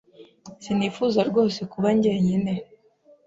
sinifuza rwose kuba njyenyine.